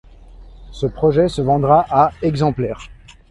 Ce projet se vendra à exemplaires.